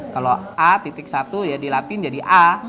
kalau a titik satu ya di latin jadi a